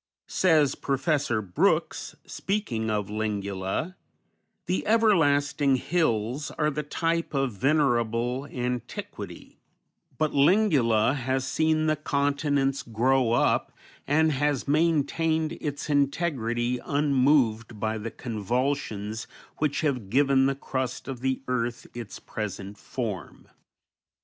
Says Professor Brooks, speaking of Lingula: "The everlasting hills are the type of venerable antiquity; but Lingula has seen the continents grow up, and has maintained its integrity unmoved by the convulsions which have given the crust of the earth its present form."